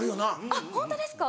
あっホントですか？